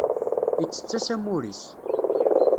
Yettett-as amur-is.